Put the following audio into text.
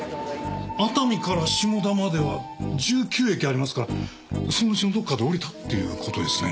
熱海から下田までは１９駅ありますからそのうちのどっかで降りたっていう事ですね。